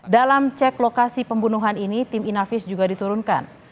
dalam cek lokasi pembunuhan ini tim inavis juga diturunkan